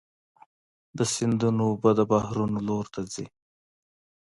د سیندونو اوبه د بحرونو لور ته ځي.